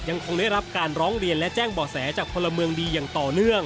ยังคงได้รับการร้องเรียนและแจ้งบ่อแสจากพลเมืองดีอย่างต่อเนื่อง